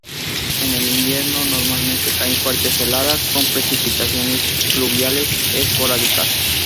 En el invierno normalmente caen fuertes heladas, con precipitaciones pluviales esporádicas.